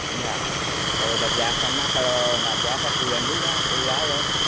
enggak masalah kalau terjahat sama kalau enggak jahat juga enggak